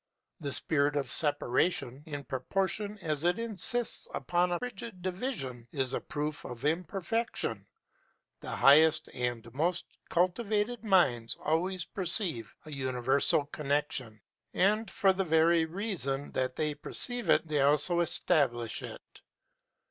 The spirit of separation, in proportion as it insists upon a rigid division, is a proof of imperfection; the highest and most cultivated minds always perceive a universal connection, and, for the very reason that they perceive it, they also establish it.